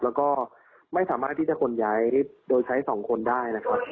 แล้วก็ไม่สามารถที่จะขนย้ายโดยใช้สองคนได้นะครับ